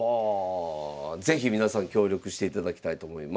是非皆さん協力していただきたいと思います。